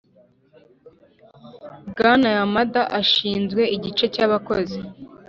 bwana yamada ashinzwe igice cyabakozi.